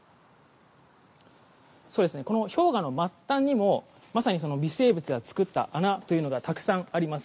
氷河の末端にもまさに微生物が作った穴がたくさんあります。